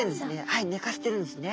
はいねかせてるんですね。